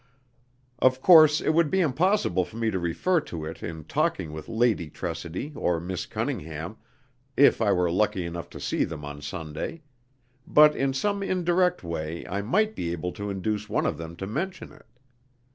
Of course it would be impossible for me to refer to it in talking with Lady Tressidy or Miss Cunningham, if I were lucky enough to see them on Sunday; but in some indirect way I might be able to induce one of them to mention it.